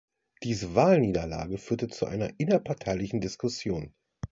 Diese Wahlniederlage führte zu einer innerparteilichen Diskussion.